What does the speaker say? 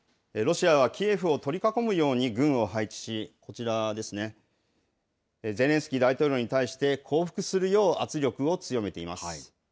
ロシアはキエフを取り囲むように軍を配置し、こちらですね、ゼレンスキー大統領に対して、降伏するよう圧力を強めています。